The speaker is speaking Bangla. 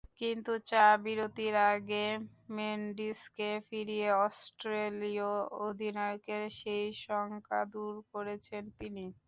কিন্তু চা-বিরতির আগেই মেন্ডিসকে ফিরিয়ে অস্ট্রেলীয় অধিনায়কের সেই শঙ্কা দূর করেছেন তিনি।